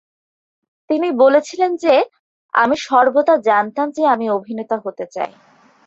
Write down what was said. তিনি বলেছিলেন যে, "আমি সর্বদা জানতাম যে আমি অভিনেতা হতে চাই"।